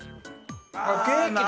あっケーキだ！